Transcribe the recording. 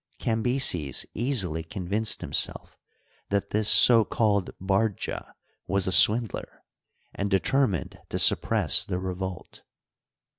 Cam byses easily convinced himself that this so called Bardja was a swindler, and determined to suppress the revolt.